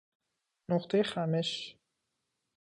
نقطه خمش